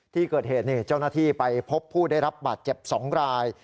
ที่เกิดเหตุเจ้าหน้าที่ไปพบผู้ได้รับบาดเจ็บ๒ราย